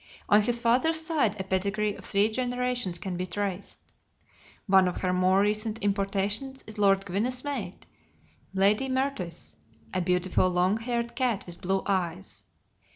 On his father's side a pedigree of three generations can be traced. One of her more recent importations is Lord Gwynne's mate, Lady Mertice, a beautiful long haired cat with blue eyes.